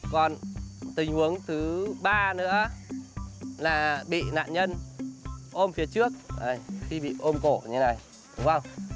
còn tình huống thứ ba nữa là bị nạn nhân ôm phía trước khi bị ôm cổ như thế này đúng không